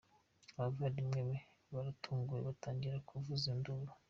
Abavandimwe be baratunguwe batangira kuvuza induru.